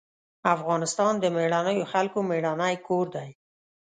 افغانستان د مېړنيو خلکو مېړنی کور دی.